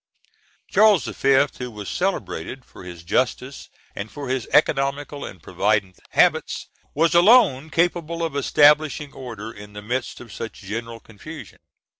Charles V., who was celebrated for his justice and for his economical and provident habits, was alone capable of establishing order in the midst of such general confusion.